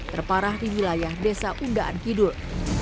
terparah di wilayah desa undaan kudus